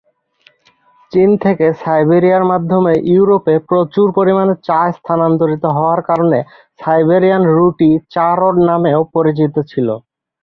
চীন থেকে সাইবেরিয়ার মাধ্যমে ইউরোপে প্রচুর পরিমাণে চা স্থানান্তরিত হওয়ার কারণে সাইবেরিয়ান রুটটি চা রোড নামেও পরিচিত ছিল।